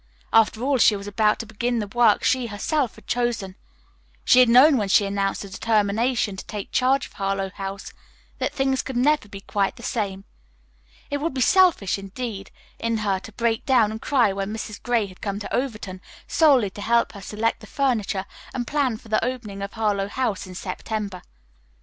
After all she was about to begin the work she herself had chosen. She had known when she announced her determination to take charge of Harlowe House that things could never be quite the same. It would be selfish, indeed, in her to break down and cry when Mrs. Gray had come to Overton solely to help her select the furniture and plan for the opening of Harlowe House in September.